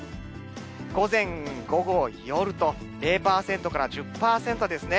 午前、午後、夜と、０％から１０％ですね。